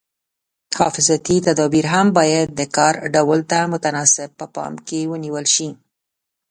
حفاظتي تدابیر هم باید د کار ډول ته متناسب په پام کې ونیول شي.